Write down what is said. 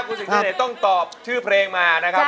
คุณสิทธิเดชต้องตอบชื่อเพลงมานะครับ